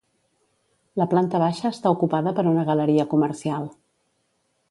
La planta baixa està ocupada per una galeria comercial.